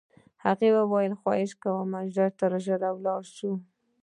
هغې وویل: خواهش کوم، ژر تر ژره ولاړ شه.